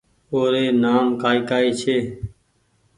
اوري نآم ڪآئي ڪآئي ڇي